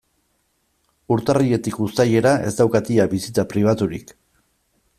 Urtarriletik uztailera ez daukat ia bizitza pribaturik.